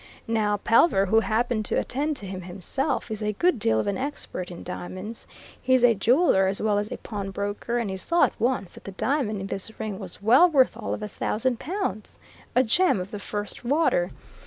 Now, Pelver, who happened to attend to him himself, is a good deal of an expert in diamonds he's a jeweller as well as a pawnbroker, and he saw at once that the diamond in this ring was well worth all of a thousand pounds a gem of the first water!